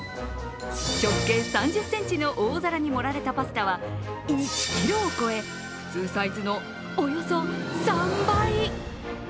直径３０ｃｍの大皿に盛られたパスタは１ｋｇを超え、普通サイズのおよそ３倍。